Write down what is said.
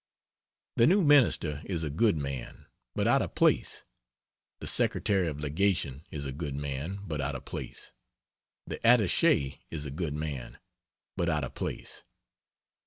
(The new Minister is a good man, but out of place. The Sec. of Legation is a good man, but out of place. The Attache is a good man, but out of place.